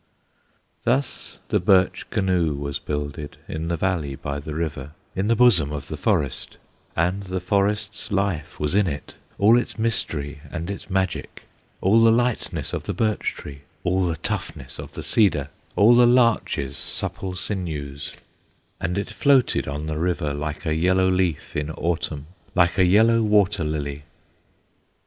Thus the Birch Canoe was builded In the valley, by the river, In the bosom of the forest; And the forest's life was in it, All its mystery and its magic, All the lightness of the birch tree, All the toughness of the cedar, All the larch's supple sinews; And it floated on the river Like a yellow leaf in Autumn, Like a yellow water lily.